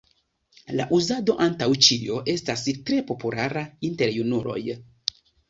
La uzado antaŭ ĉio estas tre populara inter junuloj.